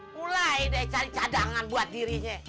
mulai deh cari cadangan buat dirinya